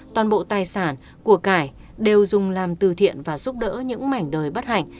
toàn bộ tài sản của cải đều dùng làm từ thiện và giúp đỡ những mảnh đời bất hạnh